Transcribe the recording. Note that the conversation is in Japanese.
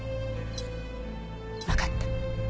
わかった。